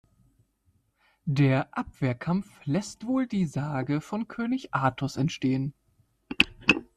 Der Abwehrkampf lässt wohl die Sage von König Artus entstehen.